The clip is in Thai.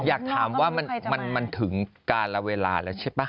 อยากถามว่ามันถึงการละเวลาแล้วใช่ป่ะ